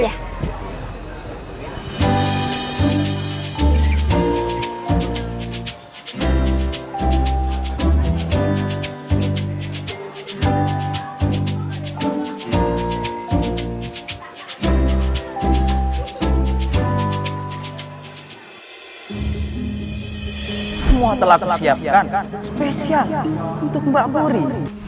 semua telah telah siapkan kan spesial untuk mbak mori